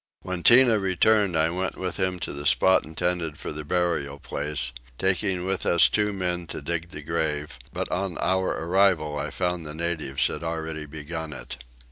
When Tinah returned I went with him to the spot intended for the burial place, taking with us two men to dig the grave; but on our arrival I found the natives had already begun it.